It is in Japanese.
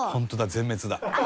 全滅だ。